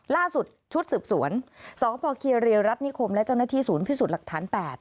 ล่าสุดชุดสืบสวนสพเคียรัฐนิคมและเจ้าหน้าที่ศูนย์พิสูจน์หลักฐาน๘